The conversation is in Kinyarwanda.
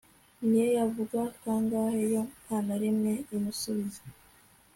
n'iyo yavuga kangahe, yo nta na rimwe imusubiza